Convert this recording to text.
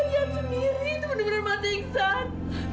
mas iksan saya lihat sendiri itu benar benar mas iksan